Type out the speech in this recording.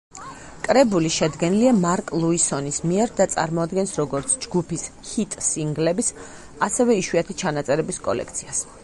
კრებული შედგენილია მარკ ლუისონის მიერ და წარმოადგენს როგორც ჯგუფის ჰიტ-სინგლების, ასევე იშვიათი ჩანაწერების კოლექციას.